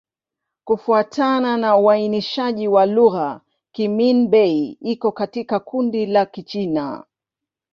Kufuatana na uainishaji wa lugha, Kimin-Bei iko katika kundi la Kichina.